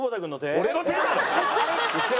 俺の手だろ！